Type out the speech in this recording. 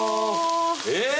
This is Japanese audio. えっ！